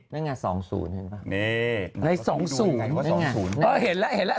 นั่งงานสองศูนย์ฮะฮะเห็นล่ะ๒๐